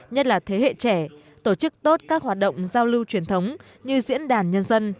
nhất là thế hệ trẻ tổ chức tốt các hoạt động giao lưu truyền thống như diễn đàn nhân dân